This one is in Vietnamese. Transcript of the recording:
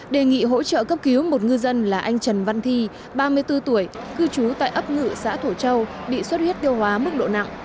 đề nghị hỗ trợ cấp cứu một ngư dân là anh trần văn thi ba mươi bốn tuổi cư trú tại ấp ngự xã thổ châu bị xuất huyết tiêu hóa mức độ nặng